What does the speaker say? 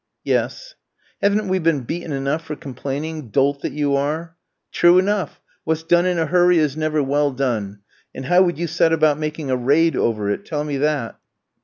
"Yes." "Haven't we been beaten enough for complaining, dolt that you are?" "True enough! What's done in a hurry is never well done. And how would you set about making a raid over it, tell me that?"